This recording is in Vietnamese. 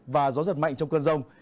và gió giật mạnh trong cơn rông